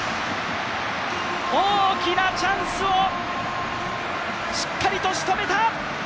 大きなチャンスをしっかりと、しとめた！